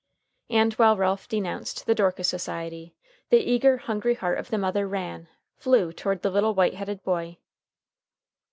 And while Ralph denounced the Dorcas Society, the eager, hungry heart of the mother ran, flew toward the little white headed boy.